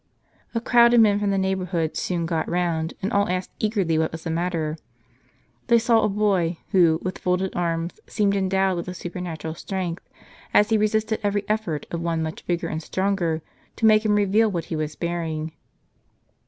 A crowd of men from the neighborhood soon got round ; and all asked eagerly what was the matter. They saw a boy, who, with folded arms, seemed endowed with a suj)ernatural strength, as he resisted every effort of one much bigger and stronger, to make him reveal what he was bearing.